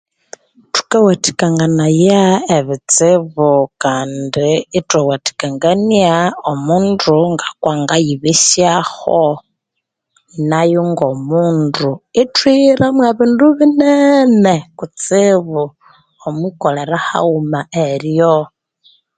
Thukawathikanganaya ebitsibu kandi ithwawathikangania omundu ngako angayibesyaho nayo ngomundu ithwighiramo ebindu binene kutsibu omwikolera haghuma eryo